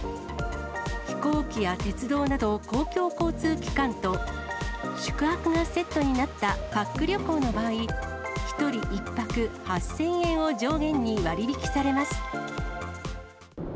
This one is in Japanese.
飛行機や鉄道など公共交通機関と宿泊がセットになったパック旅行の場合、１人１泊８０００円を上限に割引されます。